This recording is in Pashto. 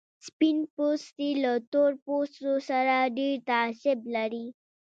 سپين پوستي له تور پوستو سره ډېر تعصب لري.